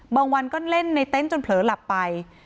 บางวันก็เล่นในเต็นต์จนเผลอหลับไป